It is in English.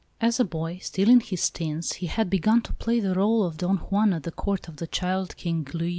As a boy, still in his teens, he had begun to play the rôle of Don Juan at the Court of the child King, Louis XV.